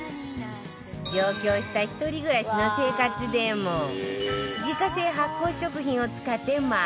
上京した一人暮らしの生活でも自家製発酵食品を使って毎日自炊